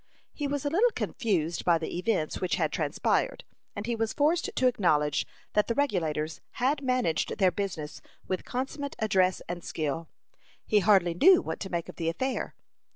He was a little confused by the events which had transpired, and he was forced to acknowledge that the Regulators had managed their business with consummate address and skill. He hardly knew what to make of the affair.